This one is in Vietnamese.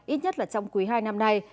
ít nhất là trong thời gian tới